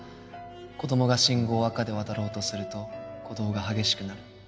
子供が信号を赤で渡ろうとすると鼓動が激しくなる。